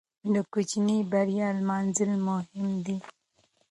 د کوچنۍ بریا لمانځل مهم دي.